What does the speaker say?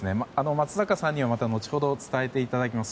松坂さんにはまた後程伝えていただきます。